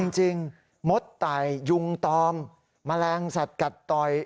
จริงมดไต่ยุงตอมแมลงสัตว์กัดต่อย